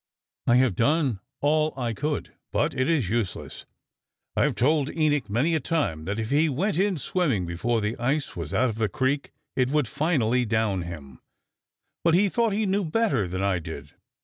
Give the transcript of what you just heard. I have done all I could, but it is useless. I had told Enoch many a time that if he went in swimming before the ice was out of the creek it would finally down him, but he thought he knew better than I did.